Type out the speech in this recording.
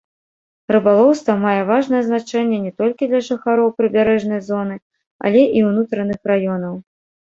Рыбалоўства мае важнае значэнне не толькі для жыхароў прыбярэжнай зоны, але і ўнутраных раёнаў.